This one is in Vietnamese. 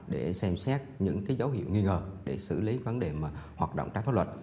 để xem xét những dấu hiệu nghi ngờ để xử lý vấn đề hoạt động trái pháp luật